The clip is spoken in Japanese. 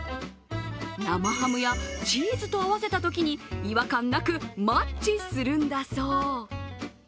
生ハムやチーズと合わせたときに違和感なくマッチするんだそう。